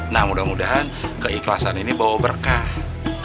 nah mudah mudahan keikhlasan ini bawa berkah